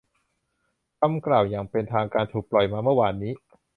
คำกล่าวอย่างเป็นทางการถูกปล่อยมาเมื่อวานนี้